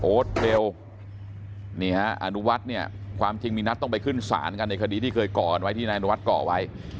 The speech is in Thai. โอ๊ตเบลนี่ฮะอันวัดเนี่ยความจริงมีนัดต้องไปขึ้นสารกันในคดีที่เคยก่อไว้ที่นายอันวัดก่อไว้